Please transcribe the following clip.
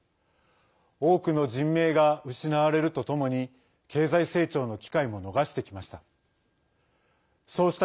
多くの人命が失われるとともに経済成長の機会も逃してきました。